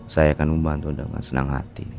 saya akan membantu dengan senang hati